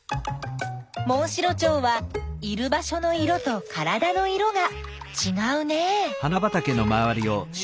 モンシロチョウはいる場所の色とからだの色がちがうね。